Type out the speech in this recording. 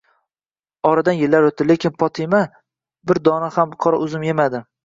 Oradan yillar o'tdi, lekin Fotima bir dona ham qora uzum yemadi.